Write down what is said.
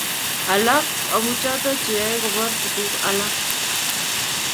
alak amu choto cheyoe koboor tuguk alak